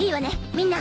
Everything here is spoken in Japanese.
みんな。